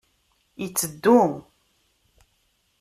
Yetteddu.